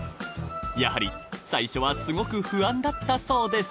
やはり最初はすごく不安だったそうです